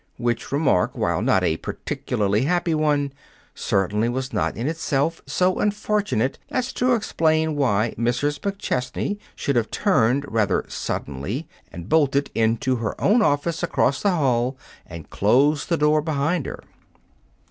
Which remark, while not a particularly happy one, certainly was not in itself so unfortunate as to explain why Mrs. McChesney should have turned rather suddenly and bolted into her own office across the hall and closed the door behind her.